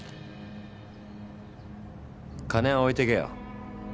金は置いてけよ。